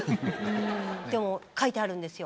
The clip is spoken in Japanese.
でも書いてあるんですよ